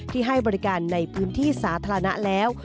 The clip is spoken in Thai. ให้บริการในพื้นที่สาธารณะแล้ว